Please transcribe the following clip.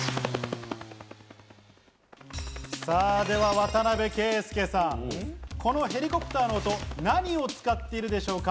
渡邊圭祐さん、このヘリコプターの音は何を使っているでしょうか？